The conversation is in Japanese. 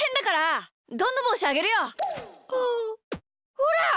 ほら！